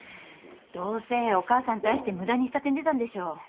どうせお母さんに対して無駄に下手に出たんでしょ。